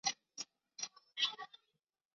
朝鲜柳是杨柳科柳属的植物。